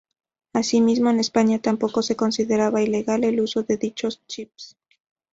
Asimismo, en España tampoco se consideraba ilegal el uso de dichos chips.